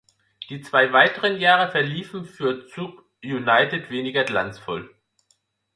Die zwei weiteren Jahre verliefen für Zug United weniger glanzvoll.